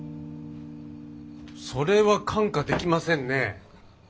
それは看過できませんね。